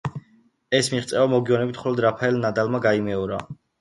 ეს მიღწევა მოგვიანებით მხოლოდ რაფაელ ნადალმა გაიმეორა.